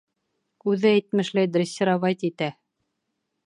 Үҙе әйтмешләй, дрессировать итә.